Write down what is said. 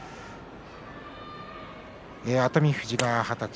熱海富士が二十歳。